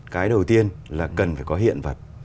cái đầu tiên là cần phải có hiện vật